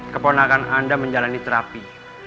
keponakan anda menjalani terapi